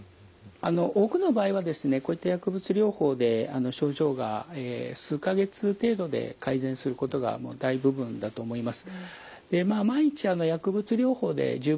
多くの場合はですねこういった薬物療法で症状が数か月程度で改善することが大部分だと思います。